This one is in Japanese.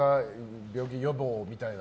病気予防みたいな？